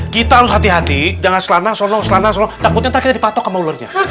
kita harus hati hati dengan selana selong selana selong takutnya kita patok sama ularnya